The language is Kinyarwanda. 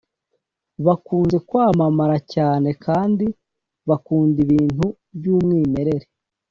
bakunze kwamamara cyane kandi bakunda ibintu by’umwimerere